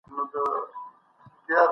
ښه اخلاق خلک راجلبوي.